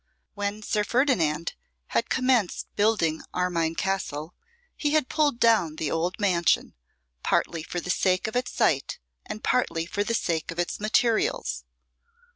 When Sir Ferdinand had commenced building Armine Castle, he had pulled down the old mansion, partly for the sake of its site and partly for the sake of its materials.